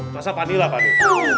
rasa pak deh lah pak deh